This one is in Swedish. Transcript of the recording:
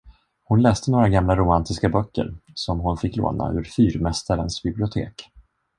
Hon läste några gamla romantiska böcker, som hon fick låna ur fyrmästarens bibliotek.